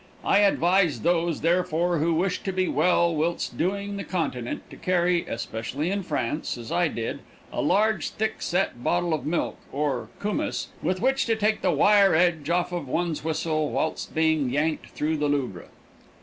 I advise those, therefore, who wish to be well whilst doing the Continent, to carry, especially in France, as I did, a large, thick set bottle of milk, or kumiss, with which to take the wire edge off one's whistle whilst being yanked through the Louvre.